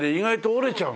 折れちゃう。